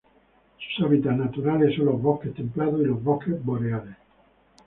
Sus hábitats naturales son los bosques templados y los bosques boreales.